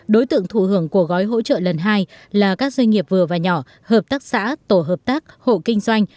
đối tượng thụ hưởng của gói hỗ trợ lần hai là các doanh nghiệp vừa và nhỏ hợp tác xã tổ hợp tác hộ kinh doanh